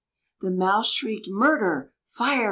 The mouse shrieked "Murder!" "Fire!"